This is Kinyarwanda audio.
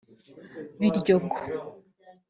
Biryogo